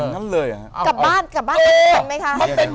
จะกลับบ้านกันคือนี้ได้ไหมคะ